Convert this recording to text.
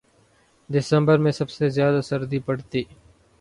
دسمبر میں سب سے زیادہ سردی پڑتی